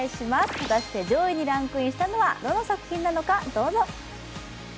果たして上位にランクインしたのはどの作品なのか、どうぞ。